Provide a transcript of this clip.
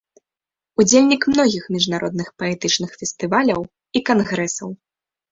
Удзельнік многіх міжнародных паэтычных фестываляў і кангрэсаў.